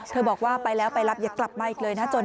บอกว่าไปแล้วไปรับอย่ากลับมาอีกเลยนะ